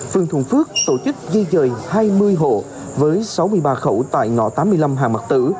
phương thuận phước tổ chức di dời hai mươi hộ với sáu mươi ba khẩu tại ngõ tám mươi năm hà mạc tử